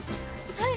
はい。